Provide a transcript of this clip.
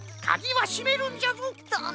かぎはしめるんじゃぞ。